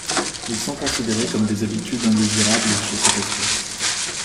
Ils sont considérés comme des habitudes indésirables chez cette espèce.